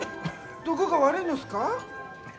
どこか悪いんですか？